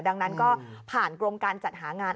ดังนั้นก็ผ่านกรมการจัดหางาน